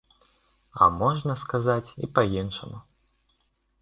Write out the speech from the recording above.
А можна сказаць і па-іншаму.